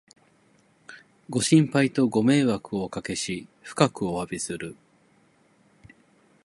ご心配とご迷惑をおかけし、深くおわびする